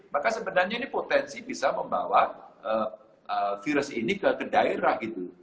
maka sebenarnya ini potensi bisa membawa virus ini ke daerah gitu